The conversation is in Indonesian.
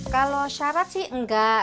kalau syarat sih enggak